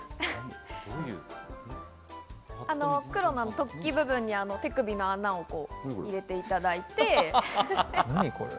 突起部分に手首の穴を入れていただいて。